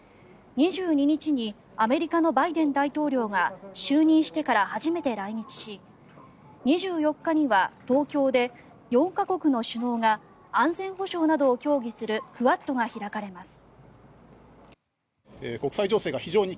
２２日にアメリカのバイデン大統領が就任してから初めて来日し２４日は東京で４か国の首脳が安全保障などを協議するクアッドが開かれます。